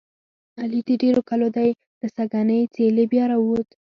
علي د ډېرو کلو دی. له سږنۍ څېلې بیا را ووت.